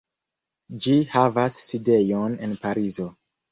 Ĝi havas sidejon en Parizo.